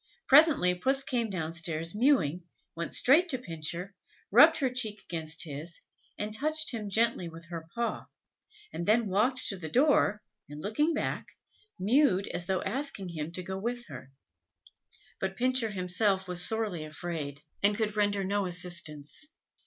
Presently Puss came down stairs mewing, went straight to Pincher, rubbed her cheek against his, and touched him gently with her paw, and then walked to the door, and, looking back, mewed, as though asking him go with her. But Pincher was himself sorely afraid, and could render no assistance.